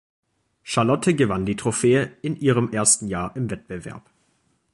Charlotte gewann die Trophäe in ihrem ersten Jahr im Wettbewerb.